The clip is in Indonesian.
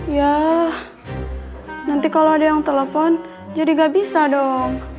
ya nanti kalau ada yang telepon jadi gak bisa dong